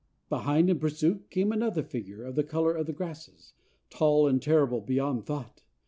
Behind, in pursuit, came another figure, of the color of the grasses, tall and terrible beyond thought.